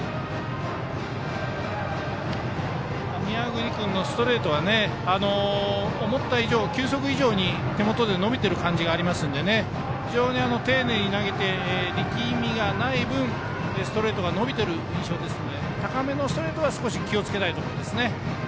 宮國君のストレートは思った以上、球速以上に手元で伸びてる感じがありますので非常に丁寧に投げて力みがない分ストレートが伸びている印象ですので高めのストレートは少し気をつけたいところですね。